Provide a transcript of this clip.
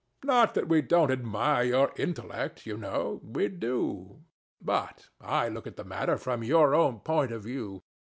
Not that we don't admire your intellect, you know. We do. But I look at the matter from your own point of view.